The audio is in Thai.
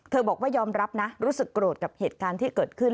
บอกว่ายอมรับนะรู้สึกโกรธกับเหตุการณ์ที่เกิดขึ้น